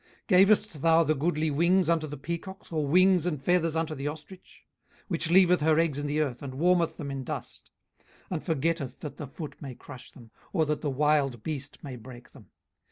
18:039:013 Gavest thou the goodly wings unto the peacocks? or wings and feathers unto the ostrich? 18:039:014 Which leaveth her eggs in the earth, and warmeth them in dust, 18:039:015 And forgetteth that the foot may crush them, or that the wild beast may break them.